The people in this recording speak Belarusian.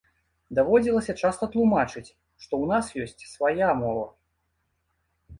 Даводзілася часта тлумачыць, што ў нас ёсць свая мова.